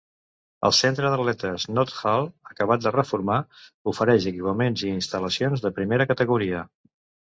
El centre d'atletes Nold Hall, acabat de reformar, ofereix equipaments i instal·lacions de primera categoria.